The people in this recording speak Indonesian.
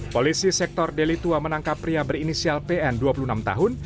polisi sektor deli tua menangkap pria berinisial pn dua puluh enam tahun